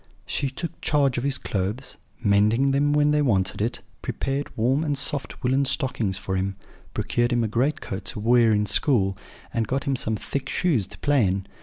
She took charge of his clothes, mending them when they wanted it; prepared warm and soft woollen stockings for him, procured him a great coat to wear in school, and got him some thick shoes to play in.